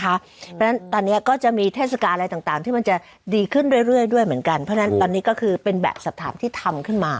เพราะฉะนั้นตอนนี้ก็จะมีเทศกาลอะไรต่างที่มันจะดีขึ้นเรื่อยด้วยเหมือนกันเพราะฉะนั้นตอนนี้ก็คือเป็นแบบสถานที่ทำขึ้นมา